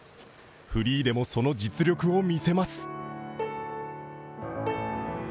フリーでもその実力を見せます。